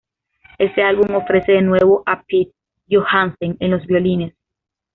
Este álbum ofrece de nuevo a Pete Johansen en los violines.